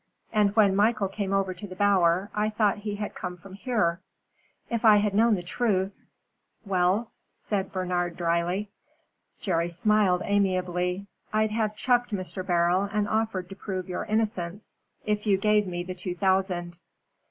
And when Michael came over to the Bower, I thought he had come from here. If I had known the truth " "Well?" said Bernard, dryly. Jerry smiled amiably. "I'd have chucked Mr. Beryl and offered to prove your innocence if you gave me the two thousand.